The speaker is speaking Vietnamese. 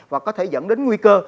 và có thể dẫn đến nguy cơ